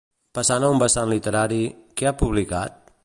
Passant a un vessant literari, què ha publicat?